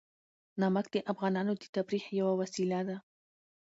نمک د افغانانو د تفریح یوه وسیله ده.